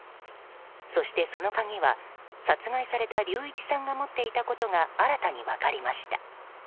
そして、その鍵は殺害された隆一さんが持っていたことが新たに分かりました。